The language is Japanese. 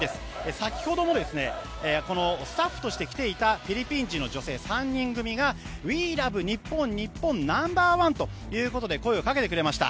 先ほどもスタッフとして来ていたフィリピン人の女性３人組がウィーラブニッポンニッポンナンバーワンと声をかけてくれました。